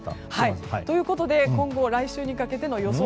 ということで、今後来週にかけての予想